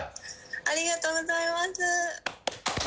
ありがとうございます。